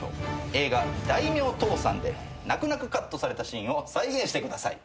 「映画『大名倒産』で泣く泣くカットされたシーンを再現してください」